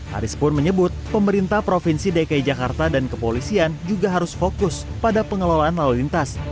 haris pun menyebut pemerintah provinsi dki jakarta dan kepolisian juga harus fokus pada pengelolaan lalu lintas